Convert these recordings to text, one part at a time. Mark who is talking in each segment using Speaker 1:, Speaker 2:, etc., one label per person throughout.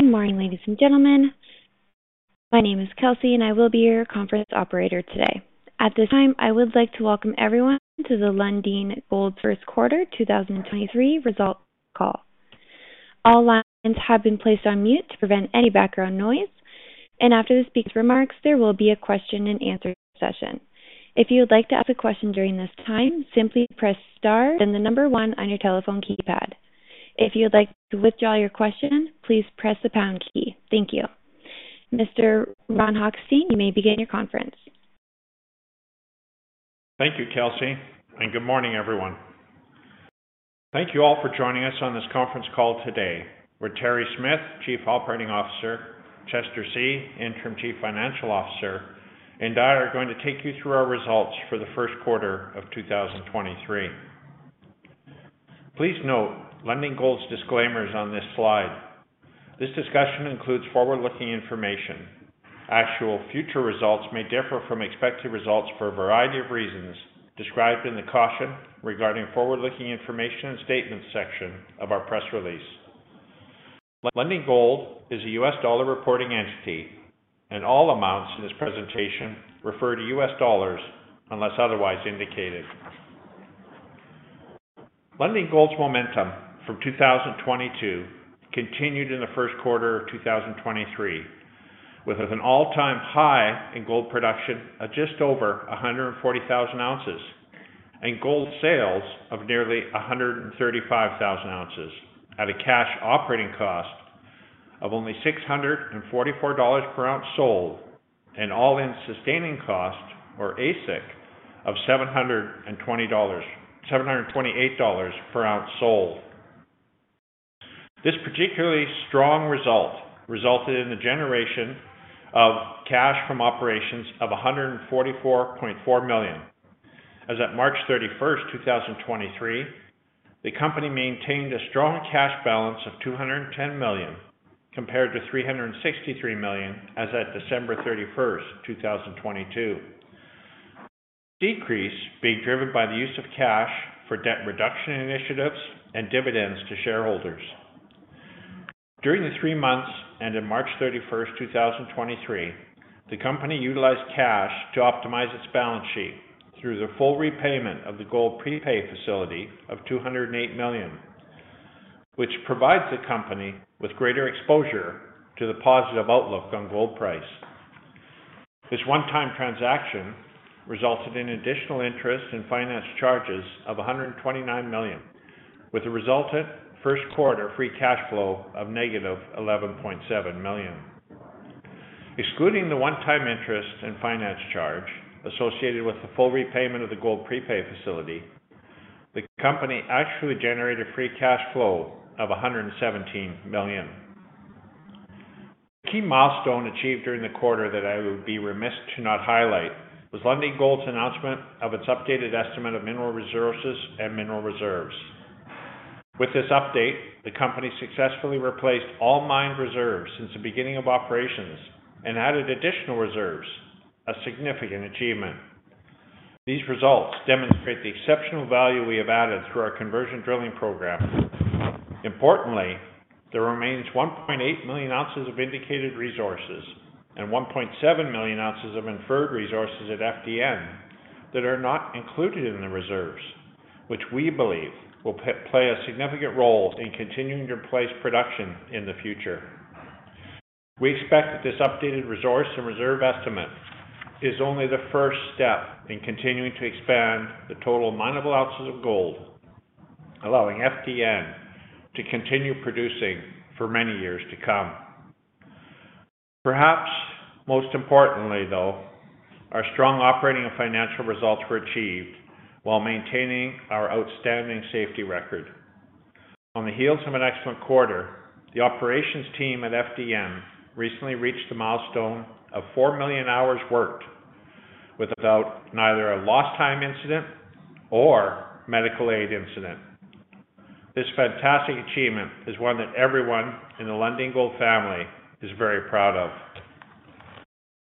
Speaker 1: Good morning, ladies and gentlemen. My name is Kelsey, and I will be your conference operator today. At this time, I would like to welcome everyone to the Lundin Gold First Quarter 2023 Results Call. All lines have been placed on mute to prevent any background noise, and after the speaker remarks, there will be a question-and-answer session. If you would like to ask a question during this time, simply press star, then the number one on your telephone keypad. If you'd like to withdraw your question, please press the pound key. Thank you. Mr. Ron Hochstein, you may begin your conference.
Speaker 2: Thank you, Kelsey. Good morning, everyone. Thank you all for joining us on this conference call today, where Terry Smith, Chief Operating Officer, Chester See, Interim Chief Financial Officer, and I are going to take you through our results for the first quarter of 2023. Please note Lundin Gold's disclaimers on this slide. This discussion includes forward-looking information. Actual future results may differ from expected results for a variety of reasons described in the Caution Regarding Forward-Looking Information and Statements section of our press release. Lundin Gold is a U.S. dollar reporting entity, and all amounts in this presentation refer to U.S. dollars unless otherwise indicated. Lundin Gold's momentum from 2022 continued in the first quarter of 2023, with an all-time high in gold production of just over 140,000 oz and gold sales of nearly 135,000 oz at a cash operating cost of only $644 per ounce sold and all-in sustaining cost or AISC of $728 per ounce sold. This particularly strong result resulted in the generation of cash from operations of $144.4 million. As at March 31st, 2023, the company maintained a strong cash balance of $210 million compared to $363 million as at December 31st, 2022. Decrease being driven by the use of cash for debt reduction initiatives and dividends to shareholders. During the three months and in March 31st, 2023, the company utilized cash to optimize its balance sheet through the full repayment of the gold prepay facility of $208 million, which provides the company with greater exposure to the positive outlook on gold price. This one-time transaction resulted in additional interest in finance charges of $129 million, with the resultant first quarter free cash flow of negative $11.7 million. Excluding the one-time interest and finance charge associated with the full repayment of the gold prepay facility, the company actually generated free cash flow of $117 million. The key milestone achieved during the quarter that I would be remiss to not highlight was Lundin Gold's announcement of its updated estimate of mineral resources and mineral reserves. With this update, the company successfully replaced all mined reserves since the beginning of operations and added additional reserves, a significant achievement. These results demonstrate the exceptional value we have added through our conversion drilling program. Importantly, there remains 1.8 million oz of indicated resources and 1.7 million oz of inferred resources at FDN that are not included in the reserves, which we believe will play a significant role in continuing to place production in the future. We expect that this updated resource and reserve estimate is only the first step in continuing to expand the total mineable ounces of gold, allowing FDN to continue producing for many years to come. Perhaps most importantly, though, our strong operating and financial results were achieved while maintaining our outstanding safety record. On the heels of an excellent quarter, the operations team at FDN recently reached a milestone of 4 million hours worked without neither a lost time incident or medical aid incident. This fantastic achievement is one that everyone in the Lundin Gold family is very proud of.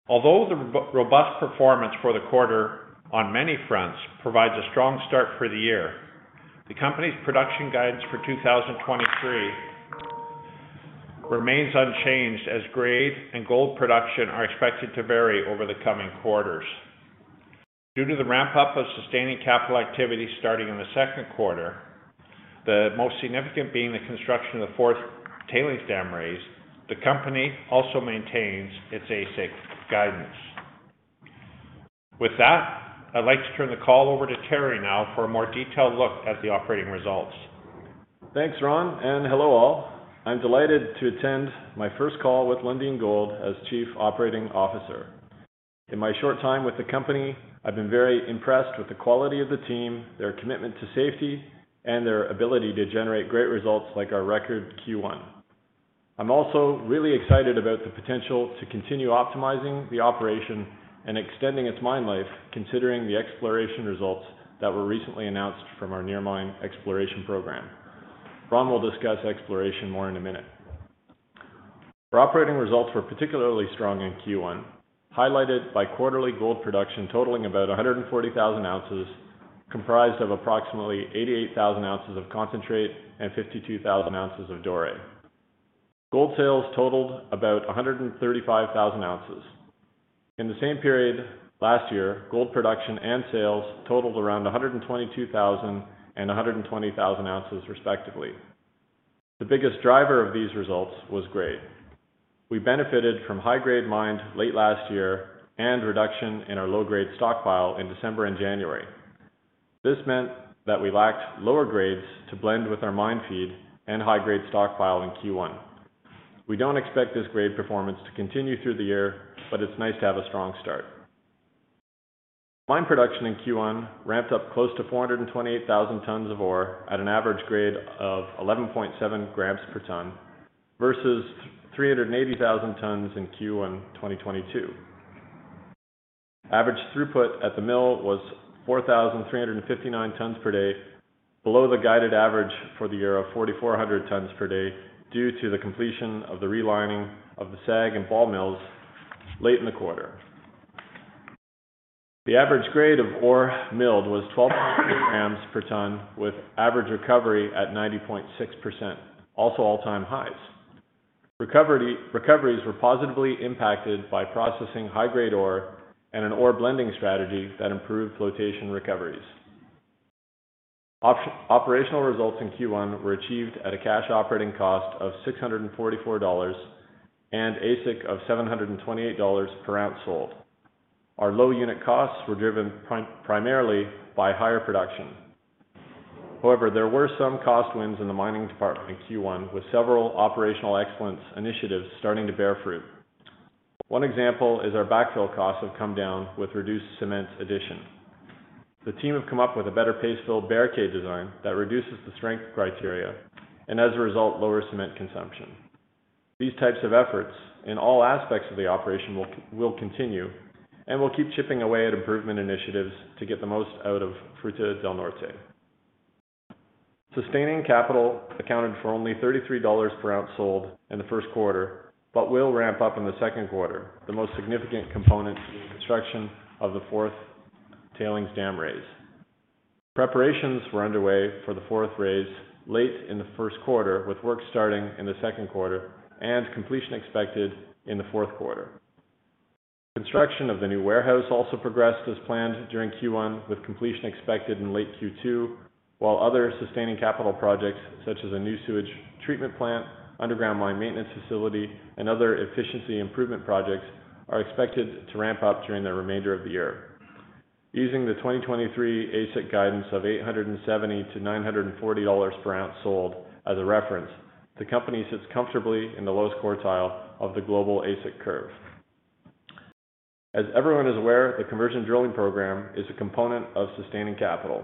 Speaker 2: Although the robust performance for the quarter on many fronts provides a strong start for the year, the company's production guidance for 2023 remains unchanged as grade and gold production are expected to vary over the coming quarters. Due to the ramp up of sustaining capital activity starting in the second quarter, the most significant being the construction of the fourth tailings dam raise, the company also maintains its AISC guidance. With that, I'd like to turn the call over to Terry now for a more detailed look at the operating results.
Speaker 3: Thanks, Ron. Hello, all. I'm delighted to attend my first call with Lundin Gold as Chief Operating Officer. In my short time with the company, I've been very impressed with the quality of the team, their commitment to safety, and their ability to generate great results like our record Q1. I'm also really excited about the potential to continue optimizing the operation and extending its mine life, considering the exploration results that were recently announced from our near mine exploration program. Ron will discuss exploration more in a minute. Our operating results were particularly strong in Q1, highlighted by quarterly gold production totaling about 140,000 oz. Comprised of approximately 88,000 oz of concentrate and 52,000 oz of doré. Gold sales totaled about 135,000 oz. In the same period last year, gold production and sales totaled around 122,000 and 120,000 oz respectively. The biggest driver of these results was grade. We benefited from high grade mined late last year and reduction in our low grade stockpile in December and January. This meant that we lacked lower grades to blend with our mine feed and high grade stockpile in Q1. We don't expect this grade performance to continue through the year, but it's nice to have a strong start. Mine production in Q1 ramped up close to 428,000 tons of ore at an average grade of 11.7 g per ton, versus 380,000 tons in Q1 2022. Average throughput at the mill was 4,359 tons per day, below the guided average for the year of 4,400 tons per day due to the completion of the relining of the SAG and ball mills late in the quarter. The average grade of ore milled was 12 g per ton, with average recovery at 90.6%, also all-time highs. Recoveries were positively impacted by processing high-grade ore and an ore blending strategy that improved flotation recoveries. Operational results in Q1 were achieved at a cash operating cost of $644 and AISC of $728 per ounce sold. Our low unit costs were driven primarily by higher production. There were some cost wins in the mining department in Q1 with several operational excellence initiatives starting to bear fruit. One example is our backfill costs have come down with reduced cement addition. The team have come up with a better paste fill barricade design that reduces the strength criteria and as a result, lower cement consumption. These types of efforts in all aspects of the operation will continue, and we'll keep chipping away at improvement initiatives to get the most out of Fruta del Norte. Sustaining capital accounted for only $33 per ounce sold in the first quarter, but will ramp up in the second quarter. The most significant component being the construction of the fourth tailings dam raise. Preparations were underway for the fourth raise late in the first quarter, with work starting in the second quarter and completion expected in the fourth quarter. Construction of the new warehouse also progressed as planned during Q1, with completion expected in late Q2, while other sustaining capital projects such as a new sewage treatment plant, underground mine maintenance facility, and other efficiency improvement projects are expected to ramp up during the remainder of the year. Using the 2023 AISC guidance of $870-$940 per ounce sold as a reference, the company sits comfortably in the lowest quartile of the global AISC curve. As everyone is aware, the conversion drilling program is a component of sustaining capital.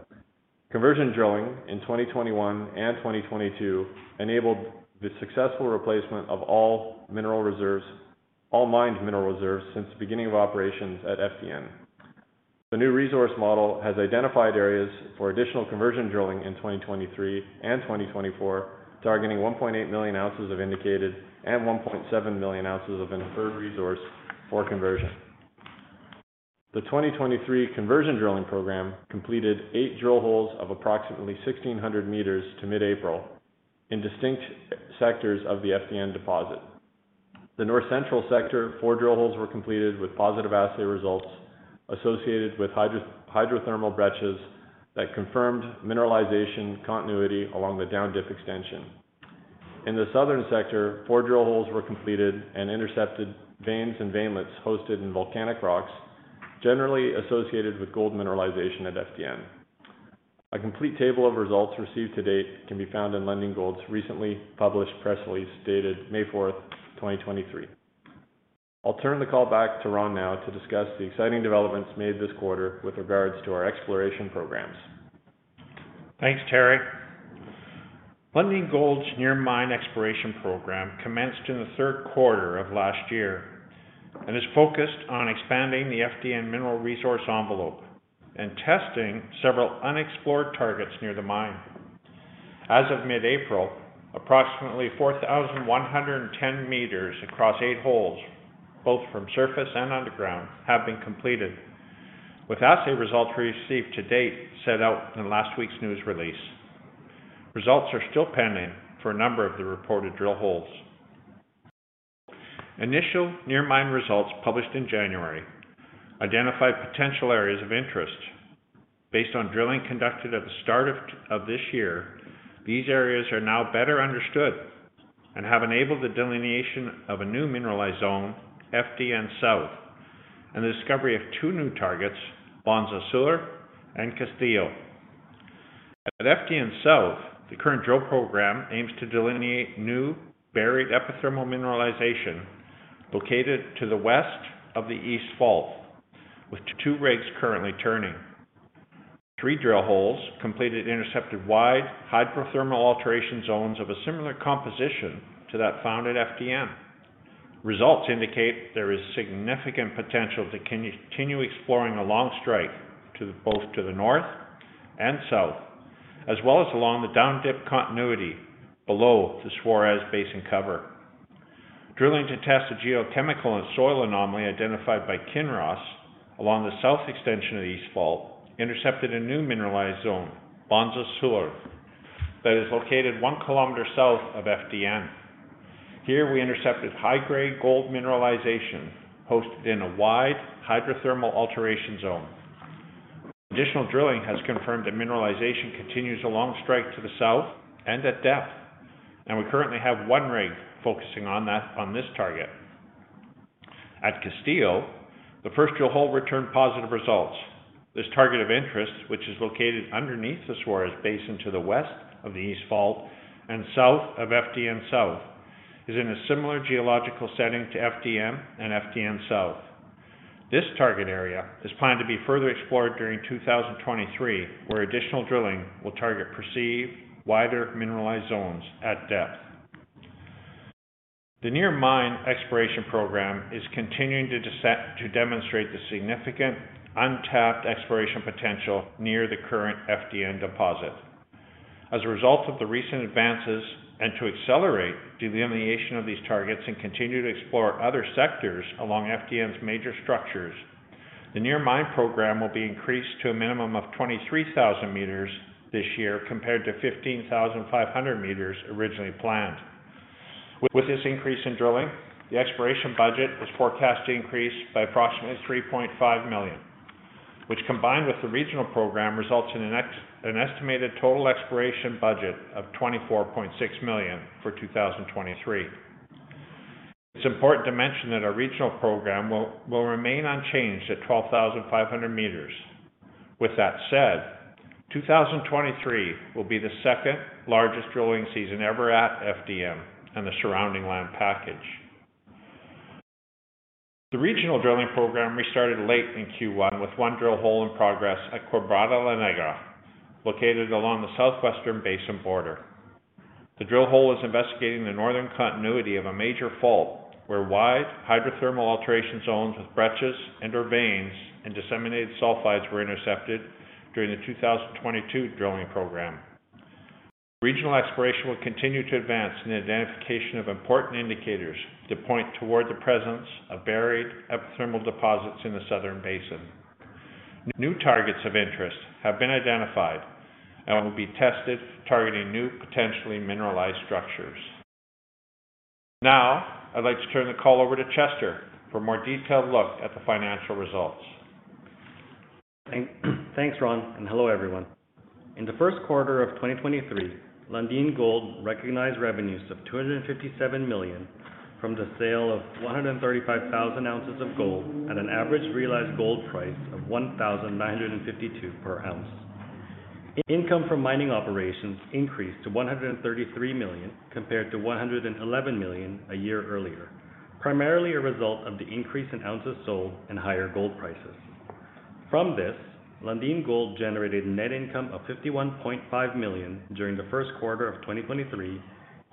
Speaker 3: Conversion drilling in 2021 and 2022 enabled the successful replacement of all mineral reserves, all mined mineral reserves since the beginning of operations at FDN. The new resource model has identified areas for additional conversion drilling in 2023 and 2024, targeting 1.8 million oz of indicated and 1.7 million oz of inferred resource for conversion. The 2023 conversion drilling program completed eight drill holes of approximately 1,600 m to mid-April in distinct sectors of the FDN deposit. The North Central sector, four drill holes were completed with positive assay results associated with hydrothermal breccias that confirmed mineralization continuity along the down dip extension. In the southern sector, four drill holes were completed and intercepted veins and veinlets hosted in volcanic rocks generally associated with gold mineralization at FDN. A complete table of results received to date can be found in Lundin Gold's recently published press release, dated May 4th, 2023. I'll turn the call back to Ron now to discuss the exciting developments made this quarter with regards to our exploration programs.
Speaker 2: Thanks, Terry. Lundin Gold's near mine exploration program commenced in the third quarter of last year and is focused on expanding the FDN mineral resource envelope and testing several unexplored targets near the mine. As of mid-April, approximately 4,110 m across eight holes, both from surface and underground, have been completed, with assay results received to date set out in last week's news release. Results are still pending for a number of the reported drill holes. Initial near mine results published in January identified potential areas of interest. Based on drilling conducted at the start of of this year, these areas are now better understood and have enabled the delineation of a new mineralized zone, FDN South, and the discovery of two new targets, Bonza Sur and Castillo. At FDN South, the current drill program aims to delineate new buried epithermal mineralization located to the west of the East Fault, with two rigs currently turning. Three drill holes completed intercepted wide hydrothermal alteration zones of a similar composition to that found at FDN. Results indicate there is significant potential to continue exploring along strike both to the north and south, as well as along the down-dip continuity below the Suarez Basin cover. Drilling to test the geochemical and soil anomaly identified by Kinross along the south extension of the East Fault intercepted a new mineralized zone, Bonza Sur, that is located 1 km south of FDN. Here we intercepted high-grade gold mineralization hosted in a wide hydrothermal alteration zone. Additional drilling has confirmed that mineralization continues along strike to the south and at depth, and we currently have one rig focusing on this target. At Castillo, the first drill hole returned positive results. This target of interest, which is located underneath the Suarez Basin to the west of the East Fault and south of FDN South, is in a similar geological setting to FDN and FDN South. This target area is planned to be further explored during 2023, where additional drilling will target perceived wider mineralized zones at depth. The near mine exploration program is continuing to demonstrate the significant untapped exploration potential near the current FDN deposit. As a result of the recent advances and to accelerate delineation of these targets and continue to explore other sectors along FDN's major structures, the near mine program will be increased to a minimum of 23,000 m this year compared to 15,500 m originally planned. With this increase in drilling, the exploration budget is forecast to increase by approximately $3.5 million, which combined with the regional program results in an estimated total exploration budget of $24.6 million for 2023. It's important to mention that our regional program will remain unchanged at 12,500 m. With that said, 2023 will be the second largest drilling season ever at FDN and the surrounding land package. The regional drilling program restarted late in Q1 with one drill hole in progress at Quebrada La Negra, located along the southwestern basin border. The drill hole is investigating the northern continuity of a major fault where wide hydrothermal alteration zones with breccias and/or veins and disseminated sulfides were intercepted during the 2022 drilling program. Regional exploration will continue to advance in the identification of important indicators that point toward the presence of buried epithermal deposits in the southern basin. New targets of interest have been identified and will be tested targeting new potentially mineralized structures. I'd like to turn the call over to Chester for a more detailed look at the financial results.
Speaker 4: Thanks, Ron, hello, everyone. In the first quarter of 2023, Lundin Gold recognized revenues of $257 million from the sale of 135,000 oz of gold at an average realized gold price of $1,952 per ounce. Income from mining operations increased to $133 million compared to $111 million a year earlier, primarily a result of the increase in ounces sold and higher gold prices. From this, Lundin Gold generated net income of $51.5 million during the first quarter of 2023,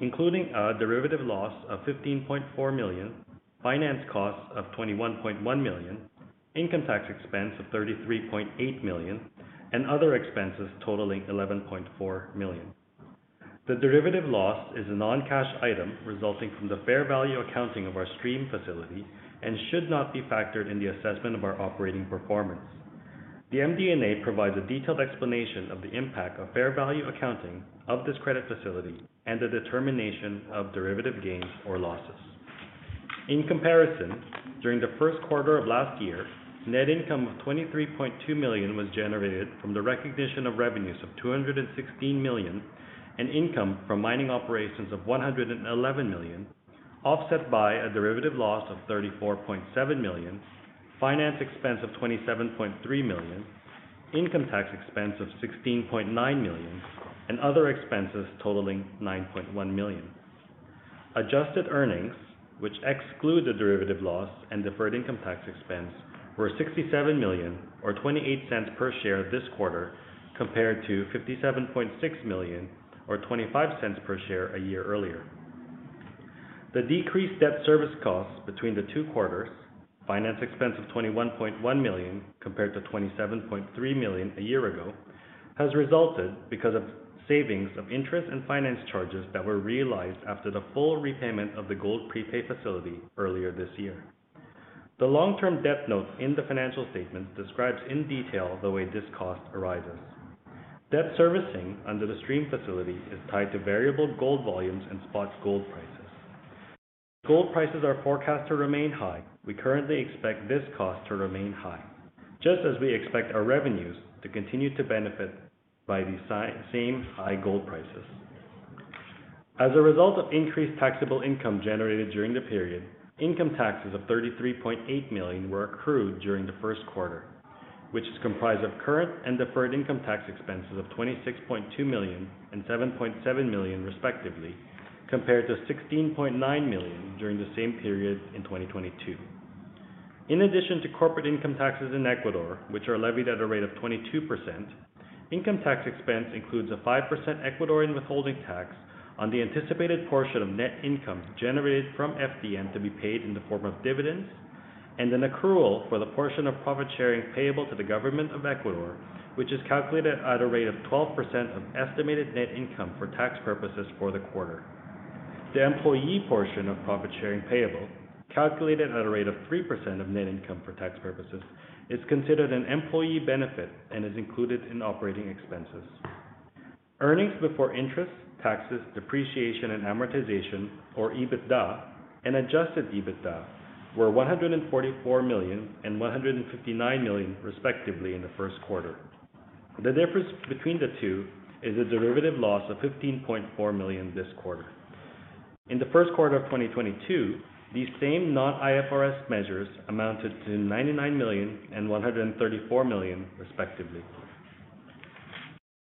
Speaker 4: including a derivative loss of $15.4 million, finance costs of $21.1 million, income tax expense of $33.8 million, and other expenses totaling $11.4 million. The derivative loss is a non-cash item resulting from the fair value accounting of our stream facility and should not be factored in the assessment of our operating performance. The MD&A provides a detailed explanation of the impact of fair value accounting of this credit facility and the determination of derivative gains or losses. In comparison, during the first quarter of last year, net income of $23.2 million was generated from the recognition of revenues of $216 million and income from mining operations of $111 million, offset by a derivative loss of $34.7 million, finance expense of $27.3 million, income tax expense of $16.9 million, and other expenses totaling $9.1 million. Adjusted earnings, which exclude the derivative loss and deferred income tax expense, were $67 million or $0.28 per share this quarter compared to $57.6 million or $0.25 per share a year earlier. The decreased debt service costs between the two quarters, finance expense of $21.1 million compared to $27.3 million a year ago, has resulted because of savings of interest and finance charges that were realized after the full repayment of the gold prepay facility earlier this year. The long-term debt note in the financial statements describes in detail the way this cost arises. Debt servicing under the stream facility is tied to variable gold volumes and spot gold prices. Gold prices are forecast to remain high. We currently expect this cost to remain high, just as we expect our revenues to continue to benefit by these same high gold prices. As a result of increased taxable income generated during the period, income taxes of $33.8 million were accrued during the first quarter, which is comprised of current and deferred income tax expenses of $26.2 million and $7.7 million respectively, compared to $16.9 million during the same period in 2022. In addition to corporate income taxes in Ecuador, which are levied at a rate of 22%, income tax expense includes a 5% Ecuadorian withholding tax on the anticipated portion of net income generated from FDN to be paid in the form of dividends. An accrual for the portion of profit sharing payable to the government of Ecuador, which is calculated at a rate of 12% of estimated net income for tax purposes for the quarter. The employee portion of profit sharing payable, calculated at a rate of 3% of net income for tax purposes, is considered an employee benefit and is included in operating expenses. Earnings before interest, taxes, depreciation and amortization, or EBITDA and Adjusted EBITDA, were $144 million and $159 million respectively in the first quarter. The difference between the two is a derivative loss of $15.4 million this quarter. In the first quarter of 2022, these same non-IFRS measures amounted to $99 million and $134 million respectively.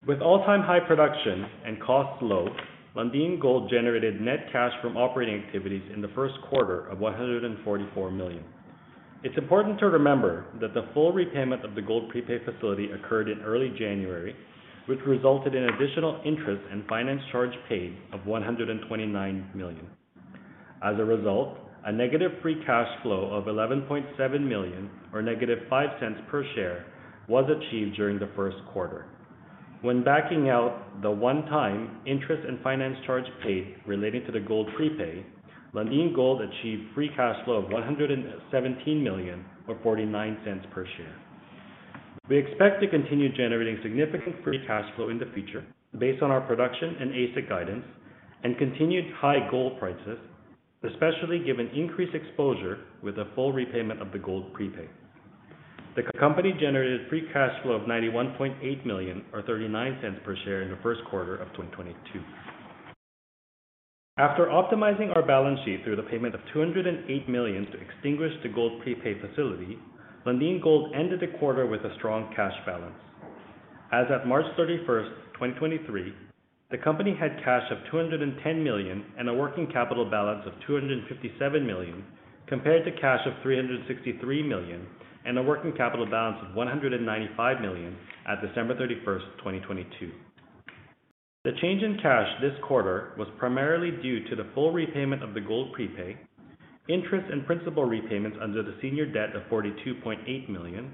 Speaker 4: With all-time high production and costs low, Lundin Gold generated net cash from operating activities in the first quarter of $144 million. It's important to remember that the full repayment of the gold prepay facility occurred in early January, which resulted in additional interest and finance charge paid of $129 million. As a result, a negative free cash flow of $11.7 million or -$0.05 per share was achieved during the first quarter. When backing out the one-time interest and finance charge paid relating to the gold prepay, Lundin Gold achieved free cash flow of $117 million or $0.49 per share. We expect to continue generating significant free cash flow in the future based on our production and AISC guidance and continued high gold prices, especially given increased exposure with the full repayment of the gold prepay. The company generated free cash flow of $91.8 million or $0.39 per share in the first quarter of 2022. After optimizing our balance sheet through the payment of $208 million to extinguish the gold prepay facility, Lundin Gold ended the quarter with a strong cash balance. As of March 31st, 2023, the company had cash of $210 million and a working capital balance of $257 million, compared to cash of $363 million and a working capital balance of $195 million at December 31st, 2022. The change in cash this quarter was primarily due to the full repayment of the gold prepay, interest and principal repayments under the senior debt of $42.8 million,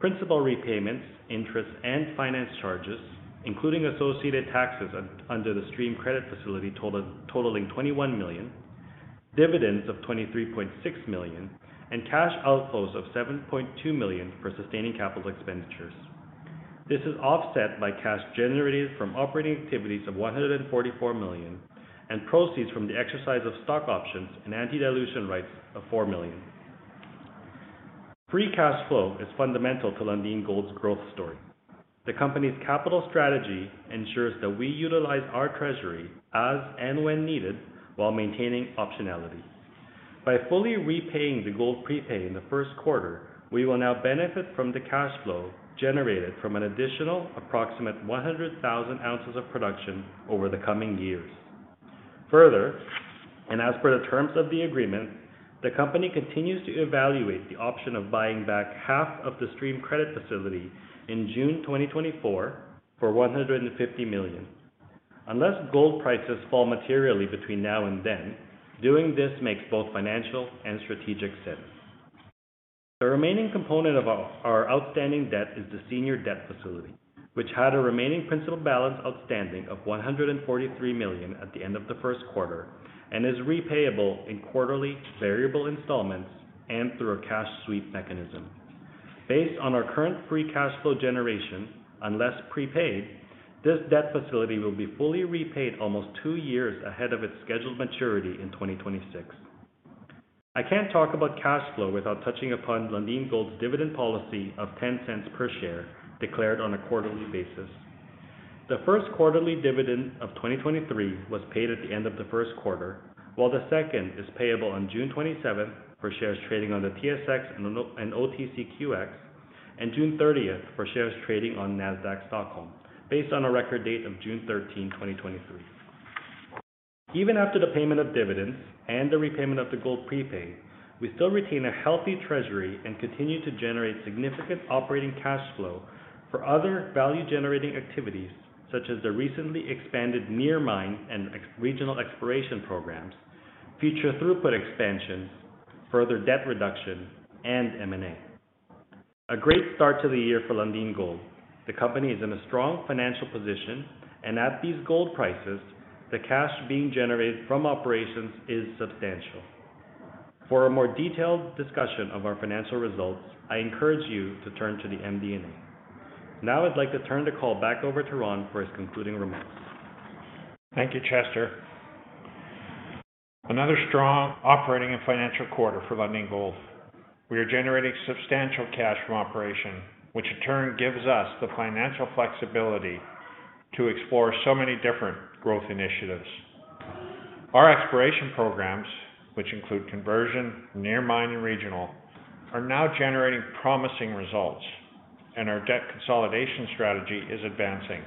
Speaker 4: principal repayments, interest, and finance charges, including associated taxes under the stream credit facility totaling $21 million, dividends of $23.6 million, and cash outflows of $7.2 million for sustaining capital expenditures. This is offset by cash generated from operating activities of $144 million and proceeds from the exercise of stock options and anti-dilution rights of $4 million. Free cash flow is fundamental to Lundin Gold's growth story. The company's capital strategy ensures that we utilize our treasury as and when needed while maintaining optionality. By fully repaying the gold prepay in the first quarter, we will now benefit from the cash flow generated from an additional approximate 100,000 oz of production over the coming years. Further, and as per the terms of the agreement, the company continues to evaluate the option of buying back half of the stream credit facility in June 2024 for $150 million. Unless gold prices fall materially between now and then, doing this makes both financial and strategic sense. The remaining component of our outstanding debt is the senior debt facility, which had a remaining principal balance outstanding of $143 million at the end of the first quarter and is repayable in quarterly variable installments and through a cash sweep mechanism. Based on our current free cash flow generation, unless prepaid, this debt facility will be fully repaid almost two years ahead of its scheduled maturity in 2026. I can't talk about cash flow without touching upon Lundin Gold's dividend policy of $0.10 per share declared on a quarterly basis. The first quarterly dividend of 2023 was paid at the end of the first quarter, while the second is payable on June 27th for shares trading on the TSX and the OTCQX, and June 30th for shares trading on Nasdaq Stockholm, based on a record date of June 13th, 2023. Even after the payment of dividends and the repayment of the gold prepay, we still retain a healthy treasury and continue to generate significant operating cash flow for other value-generating activities, such as the recently expanded near mine and ex- regional exploration programs, future throughput expansions, further debt reduction, and M&A. A great start to the year for Lundin Gold. The company is in a strong financial position, and at these gold prices, the cash being generated from operations is substantial. For a more detailed discussion of our financial results, I encourage you to turn to the MD&A. Now, I'd like to turn the call back over to Ron for his concluding remarks.
Speaker 2: Thank you, Chester. Another strong operating and financial quarter for Lundin Gold. We are generating substantial cash from operation, which in turn gives us the financial flexibility to explore so many different growth initiatives. Our exploration programs, which include conversion, near mine, and regional, are now generating promising results, and our debt consolidation strategy is advancing.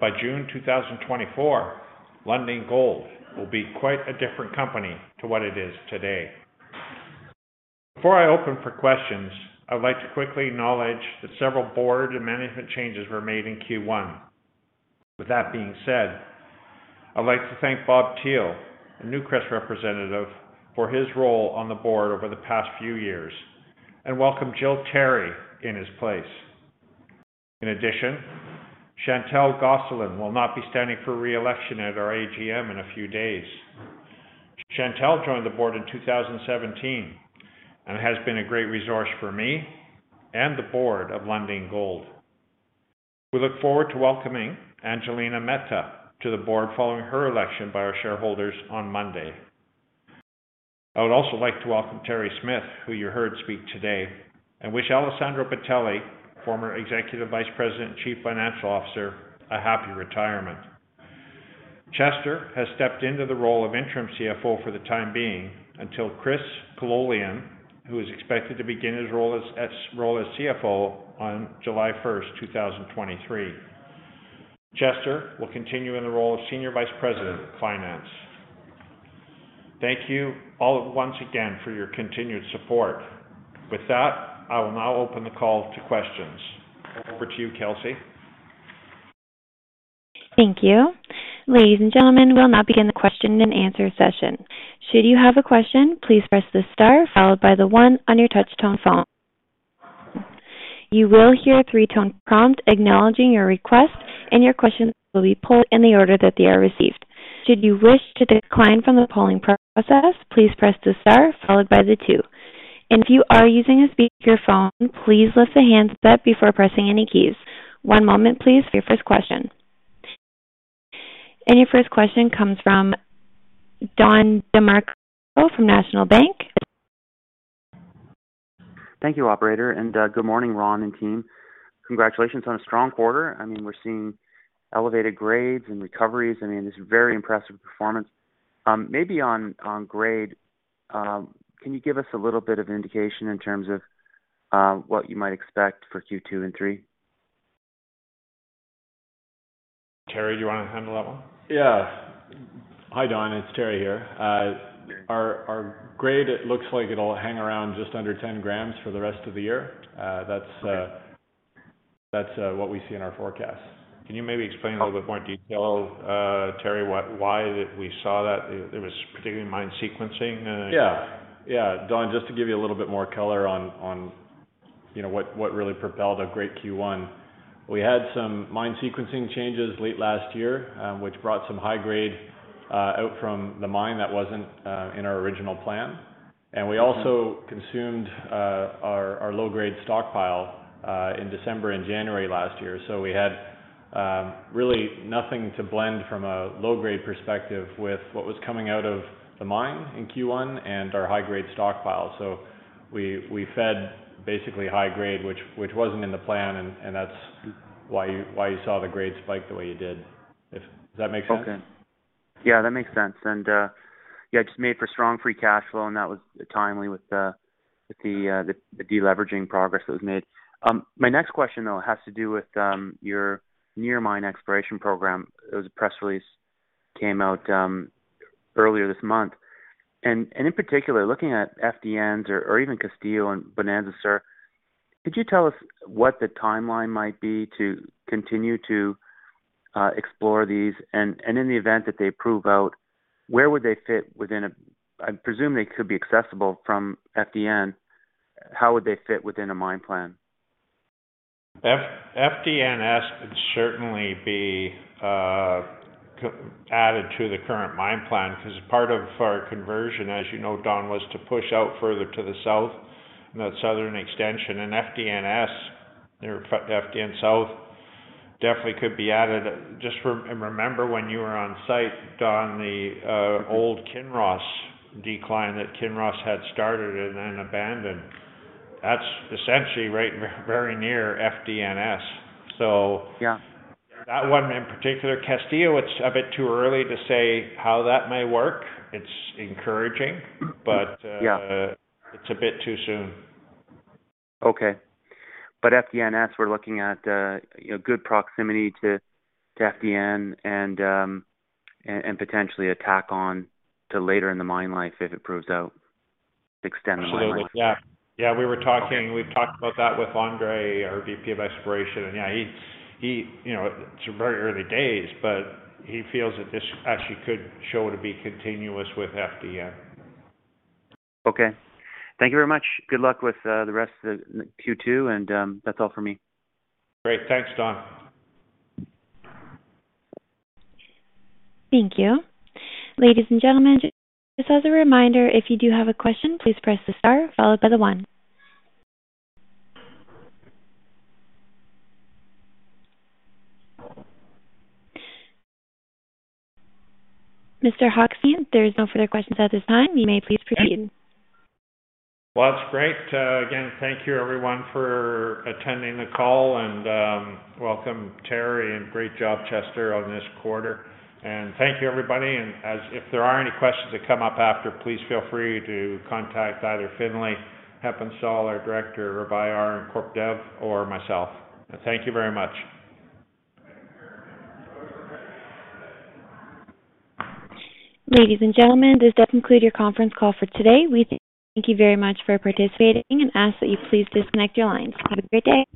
Speaker 2: By June 2024, Lundin Gold will be quite a different company to what it is today. Before I open for questions, I'd like to quickly acknowledge that several board and management changes were made in Q1. I'd like to thank Bob Thiele, a Newcrest representative, for his role on the board over the past few years, and welcome Jill Terry in his place. In addition, Chantal Gosselin will not be standing for re-election at our AGM in a few days. Chantal joined the board in 2017 and has been a great resource for me and the board of Lundin Gold. We look forward to welcoming Angelina Mehta to the board following her election by our shareholders on Monday. I would also like to welcome Terry Smith, who you heard speak today, and wish Alessandro Bitelli, Former Executive Vice President and Chief Financial Officer, a happy retirement. Chester has stepped into the role of interim CFO for the time being until Chris Kololian, who is expected to begin his role as CFO on July first 2023. Chester will continue in the role of Senior Vice President of Finance. Thank you all once again for your continued support. With that, I will now open the call to questions. Over to you, Kelsey.
Speaker 1: Thank you. Ladies and gentlemen, we'll now begin the question-and-answer session. Should you have a question, please press the star followed by the one on your touch-tone phone. You will hear a three-tone prompt acknowledging your request, and your questions will be pulled in the order that they are received. Should you wish to decline from the polling process, please press the star followed by the two. If you are using a speakerphone, please lift the handset before pressing any keys. One moment please for your first question. Your first question comes from Don DeMarco from National Bank.
Speaker 5: Thank you, operator. Good morning, Ron and team. Congratulations on a strong quarter. I mean, we're seeing elevated grades and recoveries. I mean, this is very impressive performance. Maybe on grade, can you give us a little bit of indication in terms of what you might expect for Q2 and three?
Speaker 2: Terry, do you want to handle that one?
Speaker 3: Yeah. Hi, Don. It's Terry here. Our grade, it looks like it'll hang around just under 10 g for the rest of the year. That's what we see in our forecast.
Speaker 2: Can you maybe explain a little bit more detail, Terry, why we saw that it was particularly mine sequencing?
Speaker 3: Yeah. Yeah. Don, just to give you a little bit more color on, you know, what really propelled a great Q1. We had some mine sequencing changes late last year, which brought some high grade out from the mine that wasn't in our original plan. We also consumed our low grade stockpile in December and January last year. We had really nothing to blend from a low grade perspective with what was coming out of the mine in Q1 and our high grade stockpile. We fed basically high grade, which wasn't in the plan and that's why you saw the grade spike the way you did. Does that make sense?
Speaker 5: Okay. Yeah, that makes sense. Yeah, it's made for strong free cash flow, and that was timely with the, with the, the deleveraging progress that was made. My next question, though, has to do with your near mine exploration program. There was a press release came out earlier this month. In particular, looking at FDNs or even Castillo and Bonza Sur, could you tell us what the timeline might be to continue to explore these? In the event that they prove out, where would they fit within a... I presume they could be accessible from FDN. How would they fit within a mine plan?
Speaker 2: FDN could certainly be co-added to the current mine plan because part of our conversion, as you know, Don, was to push out further to the south in that southern extension. FDN, or F-FDN South, definitely could be added. Just remember when you were on site, Don, the old Kinross decline that Kinross had started and then abandoned. That's essentially right very near FDN.
Speaker 5: Yeah.
Speaker 2: That one in particular. Castillo, it's a bit too early to say how that may work. It's encouraging, but.
Speaker 5: Yeah.
Speaker 2: It's a bit too soon.
Speaker 5: FDN, we're looking at, you know, good proximity to FDN and potentially attack on to later in the mine life if it proves out to extend the mine life.
Speaker 2: Absolutely. Yeah. Yeah, we've talked about that with Andre, our VP of exploration. Yeah, he, you know, it's very early days, but he feels that this actually could show to be continuous with FDN.
Speaker 5: Okay. Thank you very much. Good luck with the rest of the Q2 and that's all for me.
Speaker 2: Great. Thanks, Don.
Speaker 1: Thank you. Ladies and gentlemen, just as a reminder, if you do have a question, please press the star followed by the one. Mr. Hochstein, there's no further questions at this time. You may please proceed.
Speaker 2: Well, that's great. Again, thank you everyone for attending the call, welcome, Terry, and great job, Chester, on this quarter. Thank you, everybody. If there are any questions that come up after, please feel free to contact either Finlay Heppenstall, our Director of IR and Corp Dev, or myself. Thank you very much.
Speaker 1: Ladies and gentlemen, this does conclude your conference call for today. We thank you very much for participating and ask that you please disconnect your lines. Have a great day.